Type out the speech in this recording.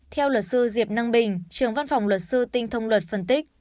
theo luật sư diệp năng bình trường văn phòng luật sư tinh thông luật phân tích